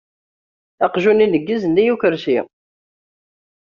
Aqjun ineggez-nnig ukersi.